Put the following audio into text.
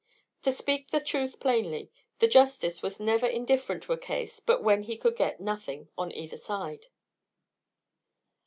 To speak the truth plainly, the justice was never indifferent in a cause but when he could get nothing on either side.